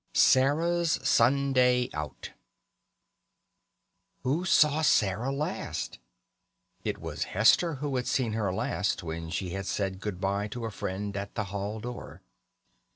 SARAH'S SUNDAY OUT "Who saw Sarah last?" It was Hester who had seen her last when she had said good bye to a friend at the hall door.